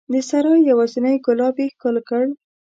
د سرای یوازینی ګلاب یې ښکل کړ